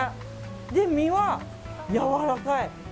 で、身はやわらかい。